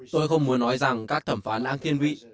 tôi không muốn nói rằng các thẩm phán đang kiên vị